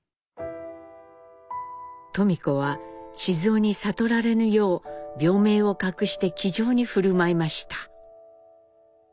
登美子は雄に悟られぬよう病名を隠して気丈に振る舞いました。